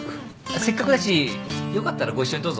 せっかくだしよかったらご一緒にどうぞ。